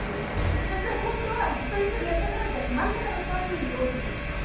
そしたら今度は一人一人やったから真ん中の３人同時に。